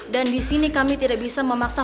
dan disini kami tidak bisa memaksa